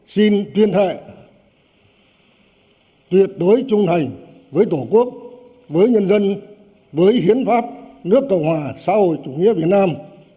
xin tuyên thệ tuyệt đối trung hành với tổ quốc với nhân dân với hiến pháp nước cộng hòa xã hội chủ nghĩa việt nam